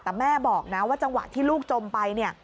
แต่แม่บอกนะว่าจังหวะที่ลูกจมไปเนี่ย